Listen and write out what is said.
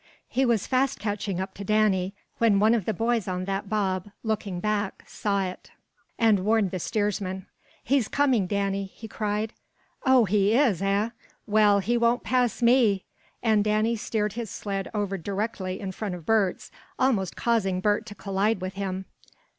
He was fast catching up to Danny, when one of the boys on that bob, looking back, saw it, and warned the steersman. "He's coming, Danny," he cried. "Oh, he is; eh? Well, he won't pass me," and Danny steered his sled over directly in front of Bert's, almost causing Bert to collide with him.